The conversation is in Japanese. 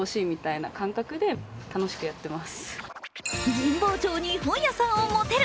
神保町に本屋さんを持てる。